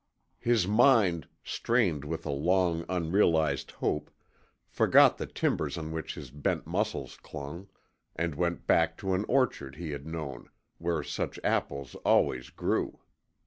His mind, strained with a long, unrealized hope, forgot the timbers on which his bent muscles clung, and went back to an orchard he had known where such apples always grew.